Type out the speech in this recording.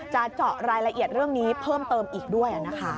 จะเจาะรายละเอียดเรื่องนี้เพิ่มเติมอีกด้วยนะคะ